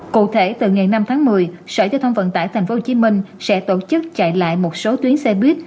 cụ thể từ ngày năm tháng một mươi sở giao thông vận tải tp hcm sẽ tổ chức chạy lại một số tuyến xe buýt